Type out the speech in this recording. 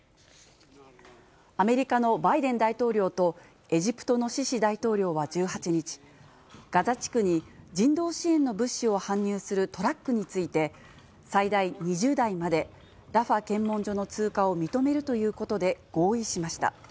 アメリカのバイデン大統領と、エジプトのシシ大統領は１８日、ガザ地区に人道支援の物資を搬入するトラックについて、最大２０台までラファ検問所の通過を認めるということで合意しました。